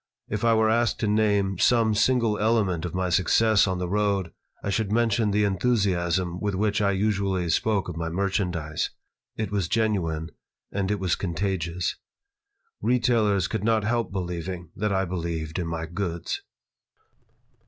If I were asked to name some single element of my success on the road I should mention the enthusiasm with which I usually spoke of my merchandise. It was genuine, and it was contagious. Retailers could not help believing that I believed in my goods.